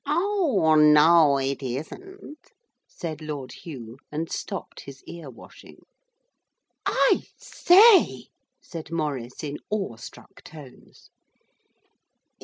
'Oh, no, it isn't,' said Lord Hugh, and stopped his ear washing. 'I say!' said Maurice in awestruck tones.